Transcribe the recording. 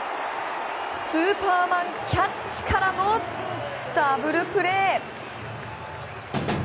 スーパーマンキャッチからのダブルプレー！